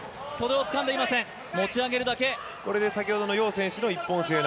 これで先ほどの楊選手の一本背負い